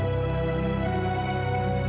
gobi aku mau ke rumah